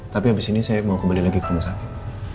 tapi habis ini saya mau kembali lagi ke rumah sakit